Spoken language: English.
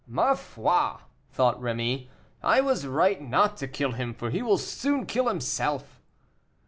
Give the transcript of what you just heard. "Ma foi!" thought Rémy, "I was right not to kill him, for he will soon kill himself."